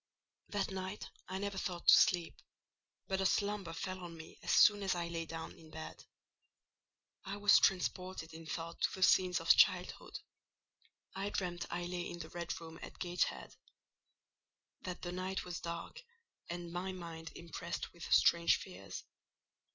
That night I never thought to sleep; but a slumber fell on me as soon as I lay down in bed. I was transported in thought to the scenes of childhood: I dreamt I lay in the red room at Gateshead; that the night was dark, and my mind impressed with strange fears.